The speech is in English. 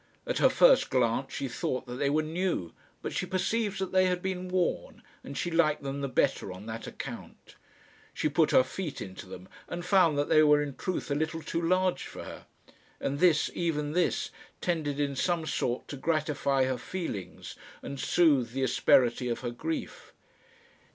At her first glance she thought that they were new; but she perceived that they had been worn, and she liked them the better on that account. She put her feet into them and found that they were in truth a little too large for her. And this, even this, tended in some sort to gratify her feelings and soothe the asperity of her grief.